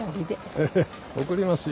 えっ送りますよ。